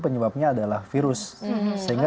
penyebabnya adalah virus sehingga